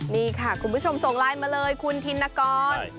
นี่ค่ะคุณผู้ชมส่งไลน์มาเลยคุณธินกร